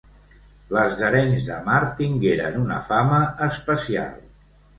Les d'Arenys de Mar tingueren una fama especial.